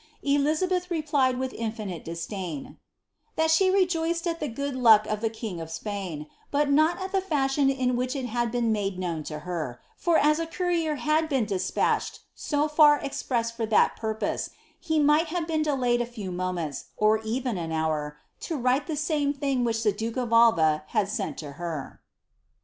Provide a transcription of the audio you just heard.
'' Elizabeth replied with infinite disdain, ^^ that she rejoiced at the good lock of the king of Spain, but not at the fashion in which it had been nade known to her; for as a courier had been despatched so far ex piws for that purpose, he might have been delayed a few moments, or nen an hour, to write the same thing which the duke of Alva had sent to her."